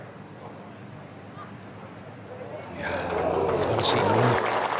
素晴らしい。